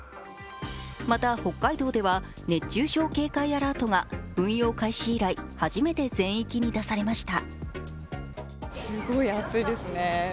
また、北海道では熱中症警戒アラートが運用開始以来初めて全域に出されました。